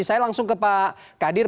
saya langsung ke pak kadir